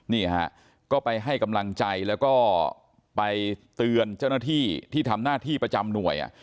นี่ฮะก็ไปให้กำลังใจแล้วก็ไปเตือนเจ้าหน้าที่ที่ทำหน้าที่ประจำหน่วย